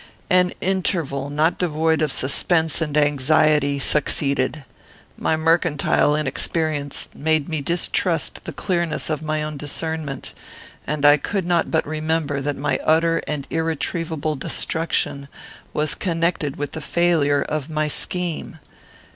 "An interval, not devoid of suspense and anxiety, succeeded. My mercantile inexperience made me distrust the clearness of my own discernment, and I could not but remember that my utter and irretrievable destruction was connected with the failure of my scheme.